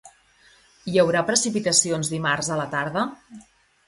Hi haurà precipitacions dimarts a la tarda?